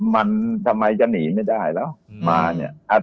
มันทำไมจะหนีไม่ได้แล้วมาเนี่ย